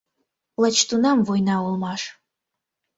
Лач тунам война улмаш.